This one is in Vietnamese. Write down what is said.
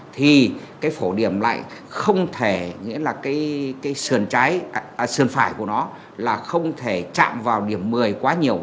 thì cái phổ điểm lại không thể nghĩa là cái sườn trái sườn phải của nó là không thể chạm vào điểm một mươi quá nhiều